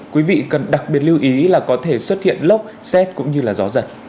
quý vị cần đặc biệt lưu ý là có thể xuất hiện lốc xét cũng như gió giật